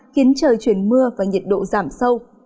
khiến trời chuyển mưa và nhiệt độ giảm sâu